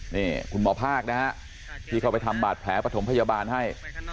นี่คุณหมอภาคนะฮะที่เข้าไปทำบาดแผลปฐมพยาบาลให้